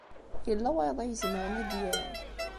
Yella wayeḍ ay izemren ad d-yerr?